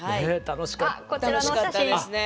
楽しかったですね。